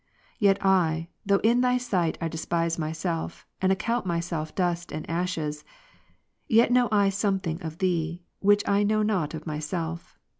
Yet I, though in Thy sight I despise myself, and account myself dust and ashes ; yet know I something of Thee, which I know not of myself.